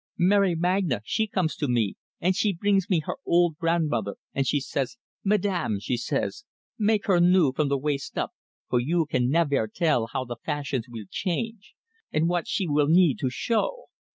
"Mary Magna, she comes to me, and she breengs me her old grandmother, and she says, 'Madame,' she says, 'make her new from the waist up, for you can nevair tell how the fashions weel change, and what she weel need to show.'